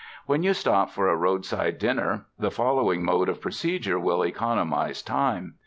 When you stop for a roadside dinner, the follow ing mode of procedure will economize time.